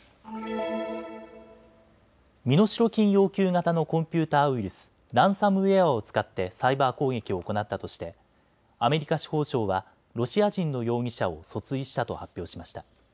身代金要求型のコンピューターウイルス、ランサムウエアを使ってサイバー攻撃を行ったとしてアメリカ司法省はロシア人の容疑者を訴追したと発表しました。